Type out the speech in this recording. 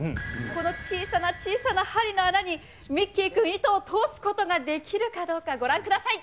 この小さな小さな針の穴に、ミッキーくん、糸を通すことができるかどうか、ご覧ください。